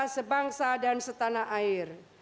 sebangsa dan setanah air